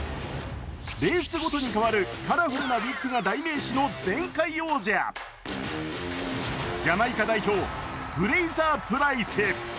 レースごとに変わるカラフルなウィッグが代名詞の前回王者、ジャマイカ代表フレイザー・プライス。